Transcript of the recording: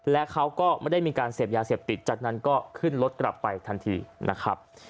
และเขาก็ไม่ได้มีการเสพยาเสพติดจากนั้นก็ขึ้นรถกลับไปทันทีนะครับ